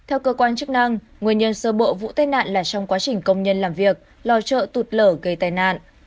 theo cơ quan chức năng nguyên nhân sơ bộ vụ tai nạn là trong quá trình công nhân làm việc lò chợ tụt lở gây tai nạn